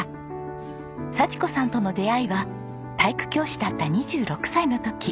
佐智子さんとの出会いは体育教師だった２６歳の時。